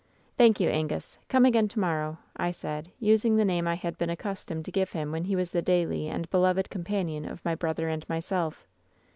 " Thank you, Angus. Come again to morrow,' I said, using the name I had been accustomed to give him when he was the daily and beloved companion of my brother and myself.